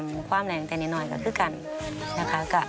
แม่เองก็ให้เงียบราศคลิป